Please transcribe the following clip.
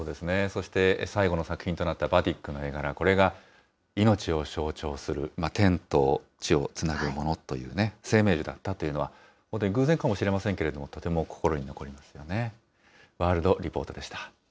そして最後の作品となったバティックの絵柄、これが命を象徴する、天と地をつなぐものというね、生命樹だったというのは、偶然かもしれませんけれども、とても心に残りましたね。